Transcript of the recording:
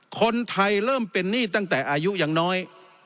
คนไทยเริ่มเป็นหนี้ตั้งแต่อายุยังน้อย